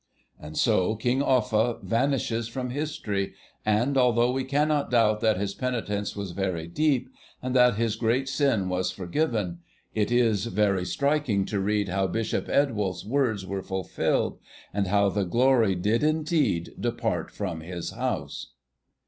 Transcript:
And so King Offa vanishes from history, and although we cannot doubt that his penitence was very deep, and that his great sin was forgiven, it is very striking to read how Bishop Eadwulf's words were fulfilled, and how the glory did indeed 'depart from his house.